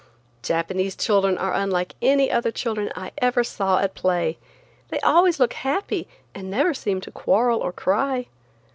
Japanese children are unlike any other children I ever saw at play. They always look happy and never seem to quarrel or cry.